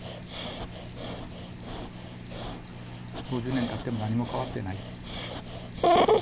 ５０年たっても何も変わっていない。